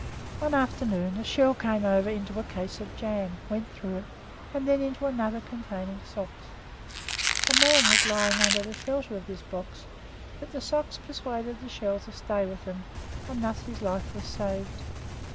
One afternoon a shell came over into a case of jam, went through it, and then into another containing socks. A man was lying under the shelter of this box, but the socks persuaded the shell to stay with them, and thus his life was saved.